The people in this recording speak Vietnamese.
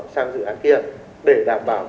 sang dự án kia để đảm bảo